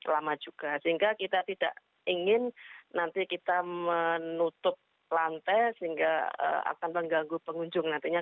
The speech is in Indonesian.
lama juga sehingga kita tidak ingin nanti kita menutup lantai sehingga akan mengganggu pengunjung nantinya